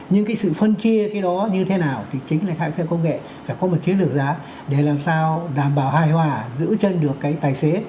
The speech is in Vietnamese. nhưng cái sự phân chia cái đó như thế nào thì chính là hãng xe công nghệ phải có một chiến lược giá để làm sao đảm bảo hài hòa giữ chân được cái tài xế